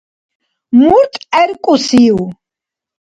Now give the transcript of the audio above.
Мурт гӀеркӀусив?